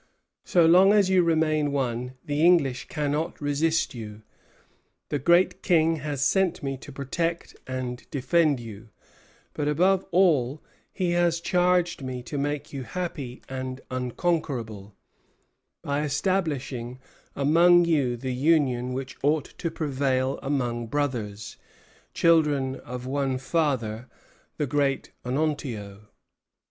So long as you remain one, the English cannot resist you. The great King has sent me to protect and defend you; but above all he has charged me to make you happy and unconquerable, by establishing among you the union which ought to prevail among brothers, children of one father, the great Onontio."